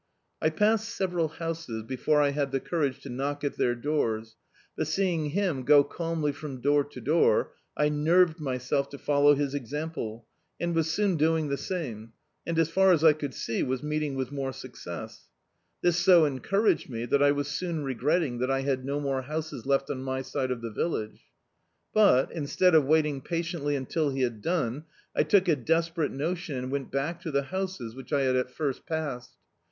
I passed several houses before I had the courage to knock at their doors, but seeing him go calmly from door to door, I nerved myself to follow his example, and was soon doing the same, and, as far as I could see, was meeting with more success. This so encouraged me that I was soon regretting that I had no more houses left on my side of the village. But, instead of waiting patiently until he had done, I took a desperate notion and went back to the houses which I had at first passed.